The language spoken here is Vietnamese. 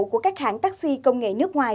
của các hãng taxi công nghệ nước ngoài